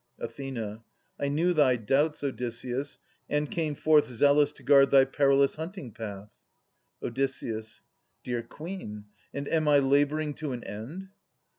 Ath. I knew thy doubts, Odysseus, and came forth Zealous to guard thy perilous hunting path. Od. Dear Queen ! and am I labouring to an end